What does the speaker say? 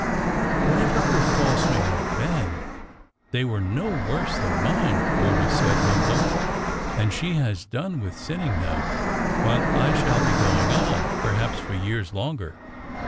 "Whatever her faults may have been, they were no worse than mine," Rhoda said, humbly; "and she has done with sinning now, while I shall be going on perhaps for years longer."